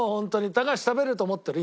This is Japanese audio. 高橋食べられると思ってる？